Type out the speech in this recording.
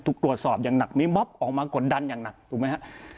ถูกตรวจสอบอย่างหนักมีม็อบออกมากดดันอย่างหนักถูกไหมฮะ